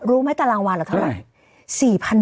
รู้ไหมแต่รางวัลเหรอเท่าไหร่ใช่